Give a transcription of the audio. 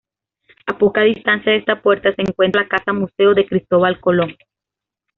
A poca distancia de esta puerta se encuentra la casa-museo de Cristóbal Colón.